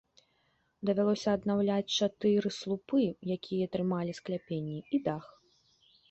Давялося аднаўляць чатыры слупы, якія трымалі скляпенні і дах.